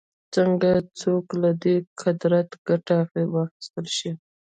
څنګه څوک له دې قدرته ګټه واخیستلای شي